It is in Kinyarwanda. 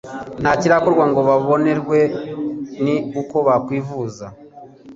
ntakirakorwa ngo babonerwe ni uko bakwivuza